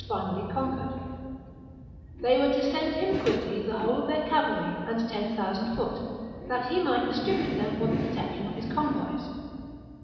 finally conquered : they were to send him quickly the whole of their cavalry and ten thousand foot, that he might distribute them for the protection of his convoys.